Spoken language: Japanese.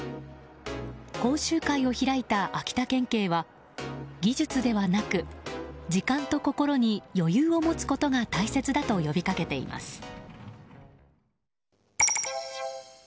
講習会を開いた秋田県警は技術ではなく時間と心に余裕を持つことが大切だと呼びかけています。